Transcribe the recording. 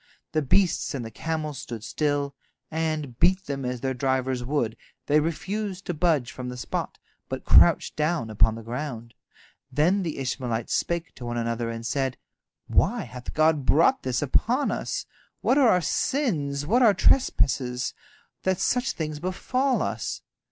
The beasts and the camels stood still, and, beat them as their drivers would, they refused to budge from the spot, but crouched down upon the ground. Then the Ishmaelites spake to one another, and said: "Why hath God brought this upon us? What are our sins, what our trespasses, that such things befall us?"